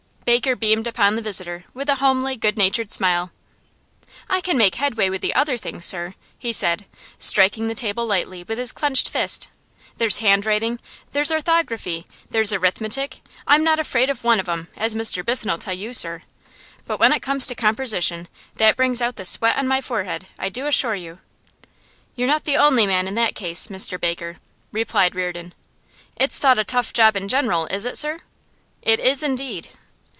Baker beamed upon the visitor with a homely, good natured smile. 'I can make headway with the other things, sir,' he said, striking the table lightly with his clenched fist. 'There's handwriting, there's orthography, there's arithmetic; I'm not afraid of one of 'em, as Mr Biffen'll tell you, sir. But when it comes to compersition, that brings out the sweat on my forehead, I do assure you. 'You're not the only man in that case, Mr Baker,' replied Reardon. 'It's thought a tough job in general, is it, sir?' 'It is indeed.